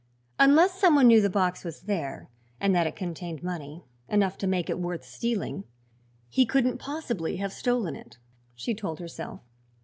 "Unless some one knew the box was there, and that it contained money enough to make it worth stealing he couldn't possibly have stolen it," she told herself.